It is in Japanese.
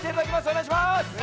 おねがいします！